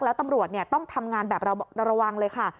แล้วตำรวจต้องทำงานแบบระวังเลยค่ะ